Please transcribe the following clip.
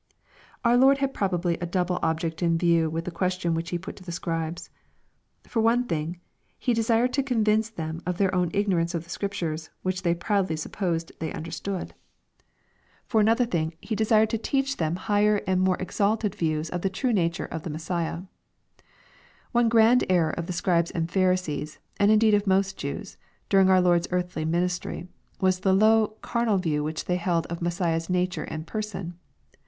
Our Lord had probably a double object in view in the question which he put to the Scribes. For one thing. He desired to convince them of their own igno rance of the Scriptures, which they proudly supposed they under stood. LUKE, CHAP. XX. 349 For another thing. He desired to teach them higher and more exalted views of the true nature of the Messiaii. One grand error of the Scribes and Pharisees, and indeed of most Jews, dur ing our Lord's earthly ministry, was the low, carnal view which they held of Messiah's nature and person.